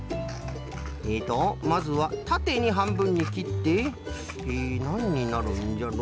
えっとまずはたてにはんぶんにきってえなんになるんじゃろ。